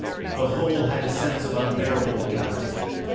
The whole had a sense of unbearable reality.